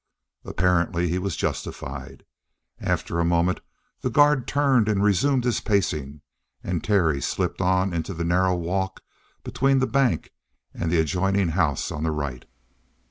Apparently he was justified. After a moment the guard turned and resumed his pacing, and Terry slipped on into the narrow walk between the bank and the adjoining house on the right.